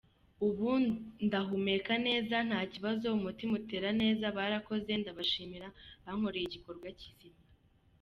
Ubu ndahumeka neza nta kibazo, umutima utera neza barakoze ndabashimira bankoreye igikorwa kizima.